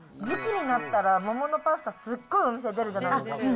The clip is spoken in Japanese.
時期になったら、桃のパスタ、すっごいお店出るじゃないですか。